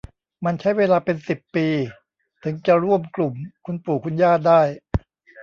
มันใช้เวลาเป็นสิบปีถึงจะร่วมกลุ่มคุณปู่คุณย่าได้